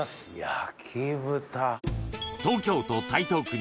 焼豚！